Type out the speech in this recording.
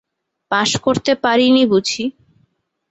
Pass করতে পারি নি বুঝি?